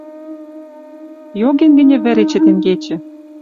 Йоген гӹньӹ вӹр эче тенгечӹ